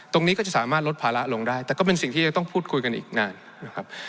ตรงนี้ก็จะสามารถลดภาระลงได้แต่ก็เป็นสิ่งที่จะต้องพูดคุยกันอีกนานนะครับ